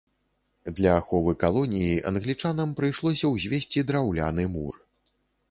Для аховы калоніі англічанам прыйшлося ўзвесці драўляны мур.